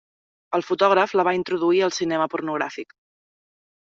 El fotògraf la va introduir al cinema pornogràfic.